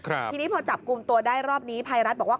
ทีนี้พอจับกลุ่มตัวได้รอบนี้ภัยรัฐบอกว่า